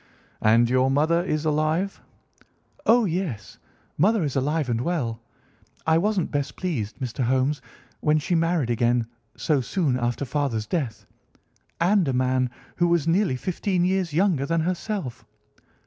"And your mother is alive?" "Oh, yes, mother is alive and well. I wasn't best pleased, Mr. Holmes, when she married again so soon after father's death, and a man who was nearly fifteen years younger than herself.